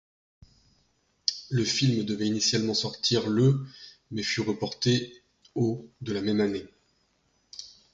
Le film devait initialement sortir le mais fut reporté au de la même année.